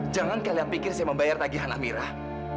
jangan kalian pikir saya membayar tagihan amirah